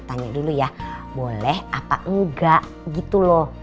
tanya dulu ya boleh apa enggak gitu loh